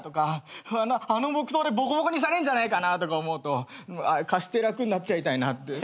あの木刀でボコボコにされんじゃないかなとか思うと貸して楽になっちゃいたいなって。